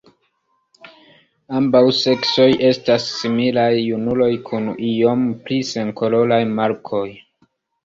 Ambaŭ seksoj estas similaj; junuloj kun iom pli senkoloraj markoj.